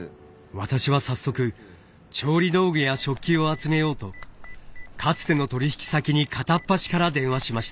私は早速調理道具や食器を集めようとかつての取り引き先に片っ端から電話しました。